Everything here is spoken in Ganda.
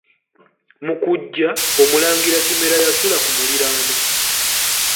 Mu kujja, omulangira Kimera yasula ku muliraano.